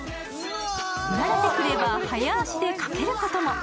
慣れてくれば速足で駆けることも。